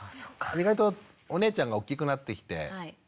意外とお姉ちゃんが大きくなってきて。